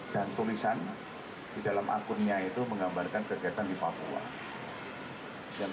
dan tulisan di dalam akunnya itu menggambarkan kegiatan di papua